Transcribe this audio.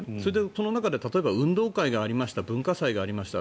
その中で例えば運動会がありました文化祭がありました。